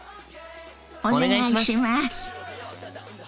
お願いします！